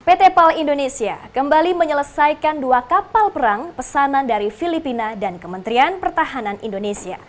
pt pal indonesia kembali menyelesaikan dua kapal perang pesanan dari filipina dan kementerian pertahanan indonesia